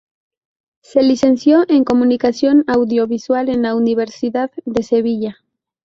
Se licenció en Comunicación Audiovisual en la Universidad de Sevilla.